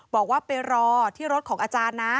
บอกว่าไปรอที่รถของอาจารย์นะ